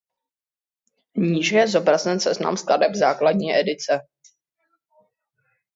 Níže je zobrazen seznam skladeb základní edice.